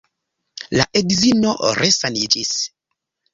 La edzino resaniĝis.